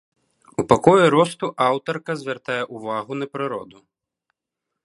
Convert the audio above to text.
У пакоі росту аўтарка звяртае ўвагу на прыроду.